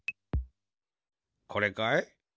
これかい？